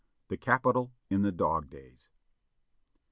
THE CAPITAL IN THE DOG DAYS.